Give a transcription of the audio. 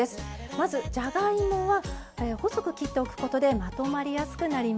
まずじゃがいもは細く切っておくことでまとまりやすくなりました。